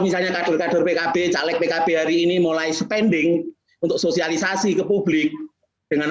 misalnya kader kader pkb caleg pkb hari ini mulai spending untuk sosialisasi ke publik dengan